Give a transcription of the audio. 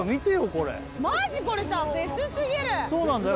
これマジこれさフェスすぎるそうなんだよ